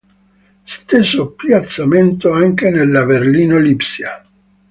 Stesso piazzamento anche nella Berlino-Lipsia.